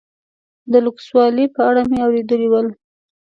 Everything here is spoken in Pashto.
د لوکسوالي په اړه مې اورېدلي ول.